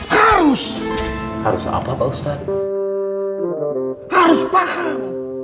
harus harus apa pak ustadz harus paham